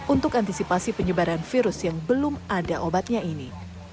untuk antisipasi penyebaran virus yang belum ada obatnya ini